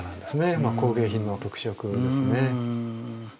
まあ工芸品の特色ですね。